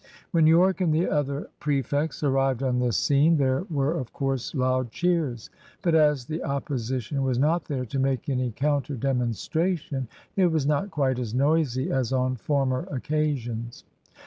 When Yorke and the other prefects arrived on the scene there were, of course, loud cheers; but as the opposition was not there to make any counter demonstration, it was not quite as noisy as on former occasions.